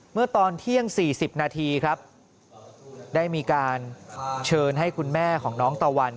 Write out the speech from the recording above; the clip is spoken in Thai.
เมื่อตอนเที่ยง๔๐นาทีครับได้มีการเชิญให้คุณแม่ของน้องตะวัน